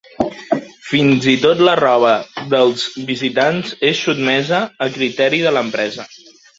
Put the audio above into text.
Fins i tot la roba dels visitants és sotmesa al criteri de l'empresa.